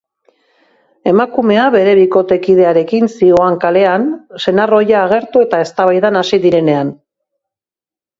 Emakumea bere bikotekidearekin zihoan kalean, senar ohia agertu eta eztabaidan hasi direnenan.